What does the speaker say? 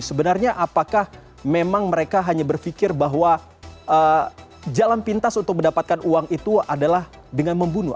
sebenarnya apakah memang mereka hanya berpikir bahwa jalan pintas untuk mendapatkan uang itu adalah dengan membunuh